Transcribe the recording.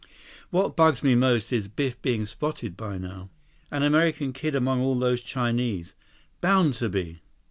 "What bugs me most is Biff being spotted by now. An American kid among all those Chinese—bound to be!"